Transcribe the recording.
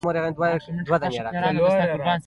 د لفټ دروازې ته مې کتل چې بنده شوې، لفټ وتړل شو.